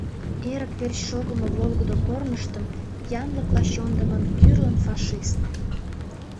Эрык верч шогымо волгыдо корныштым Янлыкла чондымын кӱрлын фашист.